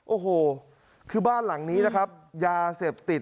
โอ้โหคือบ้านหลังนี้นะครับยาเสพติด